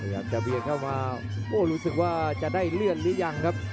อยากจะเบียดเข้ามาโอ้รู้สึกว่าจะได้เลื่อนหรือยังครับ